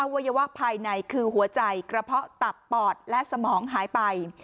วัยวะภายในคือหัวใจกระเพาะตับปอดและสมองหายไป